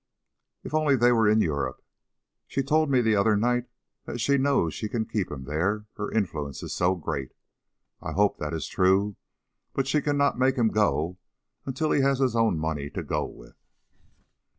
If only they were in Europe! She told me the other night that she knows she can keep him there, her influence is so great. I hope that is true, but she cannot make him go till he has his own money to go with."